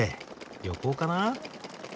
旅行かな。